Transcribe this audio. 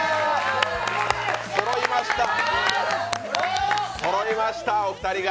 そろいました、そろいましたお二人が。